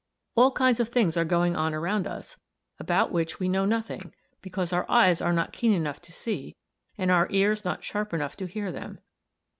All kinds of things are going on around us, about which we know nothing, because our eyes are not keen enough to see, and our ears not sharp enough to hear them.